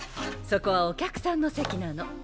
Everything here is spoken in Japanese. そこはお客さんの席なの。